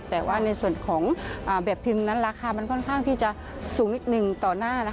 แต่ว่าในส่วนของแบบพิมพ์นั้นราคามันค่อนข้างที่จะสูงนิดนึงต่อหน้า